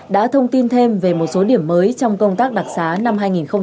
đã thông tin thêm về một số điểm mới trong công tác đặc sá năm hai nghìn hai mươi